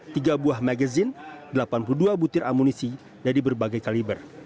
tiga buah magazine delapan puluh dua butir amunisi dari berbagai kaliber